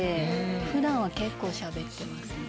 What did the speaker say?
普段は結構しゃべってますね。